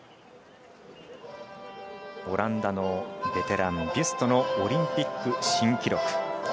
オランダのベテラン、ビュストのオリンピック新記録。